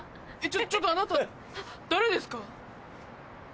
ちょっとあなた誰ですか？